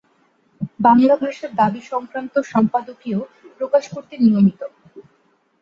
বাংলা ভাষার দাবি সংক্রান্ত সম্পাদকীয় প্রকাশ করতেন নিয়মিত।